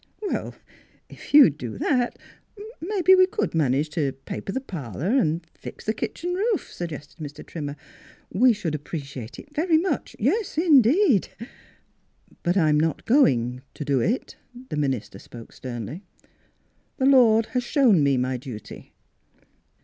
" If you'd do that mebbe we c'd manage to paper the parlour an' fix the kitchen roof," suggested Mr. Trimmer. " We should appreciate it very much. Yes, in deed." " But I'm not going to do it," the min ister spoke sternly. " The Lord has shown me my duty.